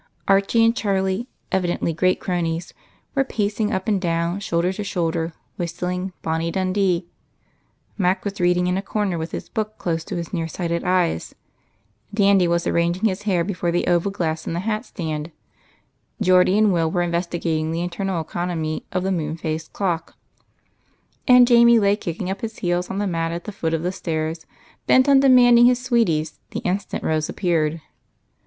Archie and Charlie, evidently great cronies, were pacing up and down, shoulder to shoulder, whistling " Boimie Dun dee ;" Mac was reading in a corner, with his book close to his near sighted eyes ; Dandy was arranging his hair before the oval glass in the hat stand ; Geordie and Will investigating the internal economy of the moon faced clock ; and Jamie lay kicking up his heels on the mat at the foot of the stairs, bent on demand ing his sweeties the instant Rose appeared.